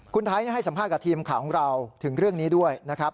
คุณไทยให้สัมภาษณ์กับทีมข่าวของเราถึงเรื่องนี้ด้วยนะครับ